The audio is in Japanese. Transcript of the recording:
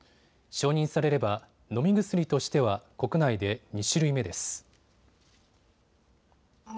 承認されれば飲み薬としては国内で２種類目です。